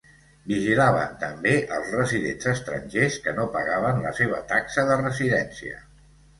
Vigilaven també als residents estrangers que no pagaven la seva taxa de residència.